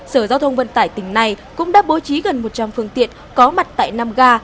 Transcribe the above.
sở giao thông vận tải tỉnh này cũng đã bố trí gần một trăm linh phương tiện có mặt tại năm ga